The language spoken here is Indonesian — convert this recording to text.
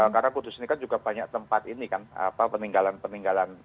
karena kudus ini kan juga banyak tempat ini kan peninggalan peninggalan